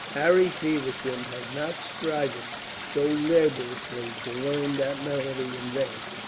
Harry Feversham had not striven so laboriously to learn that melody in vain.